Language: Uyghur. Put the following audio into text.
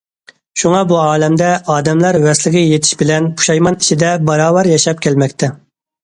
شۇڭا بۇ ئالەمدە ئادەملەر ۋەسلىگە يېتىش بىلەن پۇشايمان ئىچىدە باراۋەر ياشاپ كەلمەكتە.